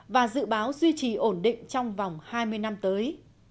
và dự báo duy trì ổn định trong vòng hai mươi năm tới